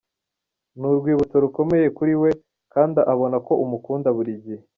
Ni urwibutso rukomeye kuri we kandi abona ko umukunda buri gihe.